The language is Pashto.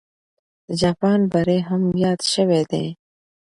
د جاپان بری هم یاد سوی دی.